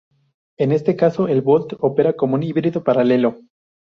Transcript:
En este caso el Volt opera como un híbrido paralelo.